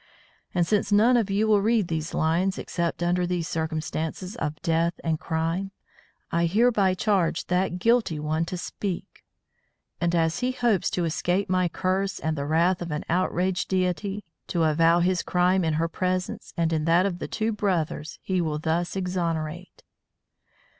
And since none of you will read these lines except under these circumstances of death and crime, I hereby charge that guilty one to speak, and as he hopes to escape my curse and the wrath of an outraged Deity, to avow his crime in her presence and in that of the two brothers he will thus exonerate.